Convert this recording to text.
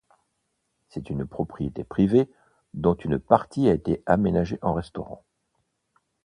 C'est une propriété privée, dont une partie a été aménagée en restaurant.